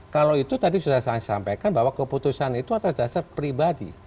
kalau itu tadi sudah saya sampaikan bahwa keputusan itu atas dasar pribadi